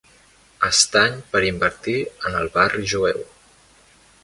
Estany per invertir en el barri jueu.